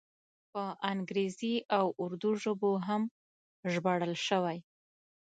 په انګریزي او اردو ژبو هم ژباړل شوی.